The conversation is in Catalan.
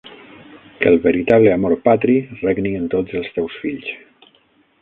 Que el veritable amor patri regni en tots els teus fills.